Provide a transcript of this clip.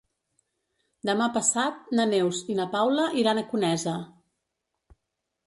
Demà passat na Neus i na Paula iran a Conesa.